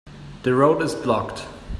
The road is blocked.